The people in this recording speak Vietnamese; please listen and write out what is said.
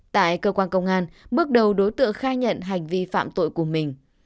tại cơ quan công an bước đầu đối tượng khai nhận hành vi phạm tội của mình